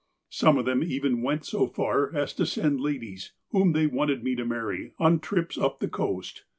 Some of them even went so far as to send ladies, whom they wanted me to marry, on trips up the coast.